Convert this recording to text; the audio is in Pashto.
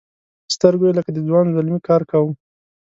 سترګو یې لکه د ځوان زلمي کار کاوه.